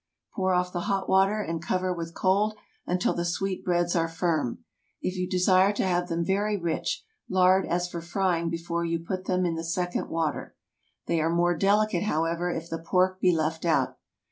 Pour off the hot water, and cover with cold until the sweet breads are firm. If you desire to have them very rich, lard as for frying before you put in the second water. They are more delicate, however, if the pork be left out.